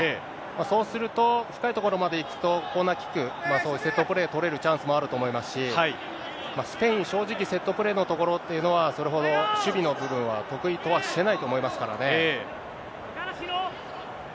そうすると、深いところまで行くと、コーナーキック、そういうセットプレー取れるチャンスもあると思いますし、スペイン、正直、セットプレーのところというのは、それほど守備の部分は、得意とはしてないと思いますからね。